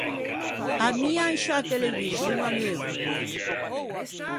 Ammia in sciâ televixon à neuv’oe.